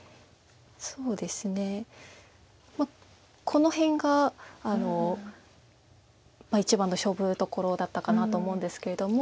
この辺が一番の勝負どころだったかなと思うんですけれども。